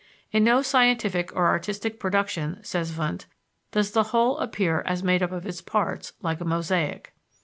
In no scientific or artistic production, says Wundt, does the whole appear as made up of its parts, like a mosaic."